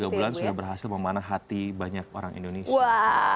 dua bulan sudah berhasil memanah hati banyak orang indonesia